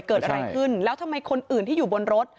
เกิดอะไรขึ้นแล้วทำไมคนอื่นที่อยู่บนรถ